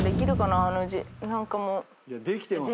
できてますよ。